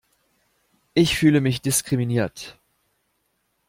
Ich fühle mich diskriminiert!